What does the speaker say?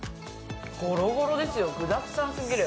ゴロゴロですよ、具だくさんすぎる。